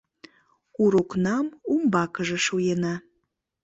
Урокнам умбакыже шуена.....